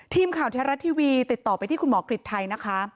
ทีมข่าวแท้รัฐทีวีติดต่อไปที่คุณหมอกฤษไทยนะคะ